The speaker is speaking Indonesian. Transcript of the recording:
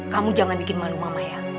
kamu jangan bikin malu mama ya